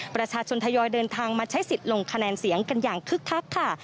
ประชาชนทยอยเดินทางมาใช้สิทธิ์ลงคะแนนเสียงกันอย่างคึกคักค่ะ